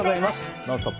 「ノンストップ！」